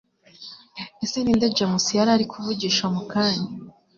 Ese ninde James yarari kuvugisha mukanya